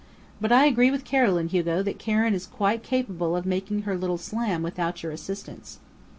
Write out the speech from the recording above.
"But I agree with Carolyn, Hugo, that Karen is quite capable of making her little slam without your assistance."